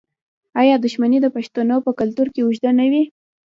آیا دښمني د پښتنو په کلتور کې اوږده نه وي؟